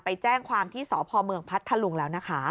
ไปแจ้งความที่สพเมืองพัทธลุงแล้วนะคะ